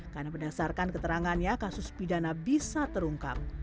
karena berdasarkan keterangannya kasus pidana bisa terungkap